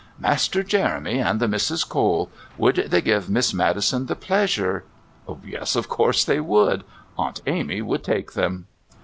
"Master Jeremy and the Misses Cole... Would they give Miss Maddison the pleasure...?" Yes, of course they would. Aunt Amy would take them.